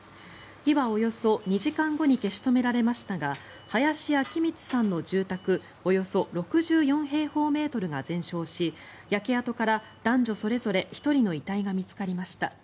火はおよそ２時間後に消し止められましたが林明光さんの住宅およそ６４平方メートルが全焼し焼け跡から男女それぞれ１人の遺体が見つかりました。